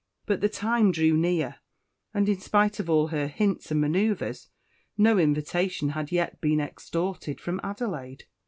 But the time drew near, and in spite of all her hints and manoeuvres no invitation had yet been extorted from Adelaide.